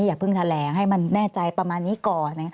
อย่าเพิ่งแถลงให้มันแน่ใจประมาณนี้ก่อน